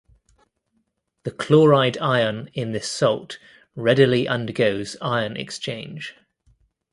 The chloride ion in this salt readily undergoes ion exchange.